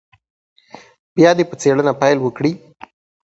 بیا دې په څېړنه پیل وکړي.